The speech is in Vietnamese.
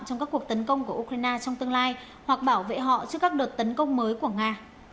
trong các cuộc tấn công của ukraine trong tương lai hoặc bảo vệ họ trước các đợt tấn công mới của nga